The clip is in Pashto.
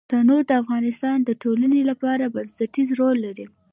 تنوع د افغانستان د ټولنې لپاره بنسټيز رول لري.